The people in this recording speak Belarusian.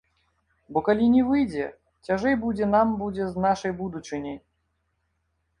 Бо калі не выйдзе, цяжэй будзе нам будзе з нашай будучыняй.